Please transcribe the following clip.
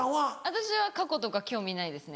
私は過去とか興味ないですね。